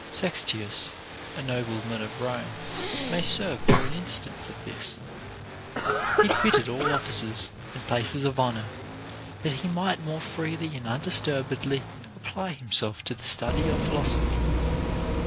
Sextius, a nobleman of Home, may serve for an instance of this. He quitted all offices and places of honor, that he might more freely and undisturbedly apply himself to the study of philosophy.